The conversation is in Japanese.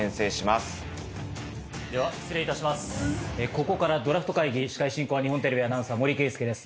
ここからドラフト会議司会進行は日本テレビアナウンサー森圭介です